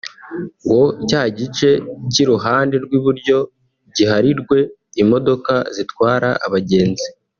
ngo cya gice cy’iruhande rw’iburyo giharirwe imodoka zitwara abagenzi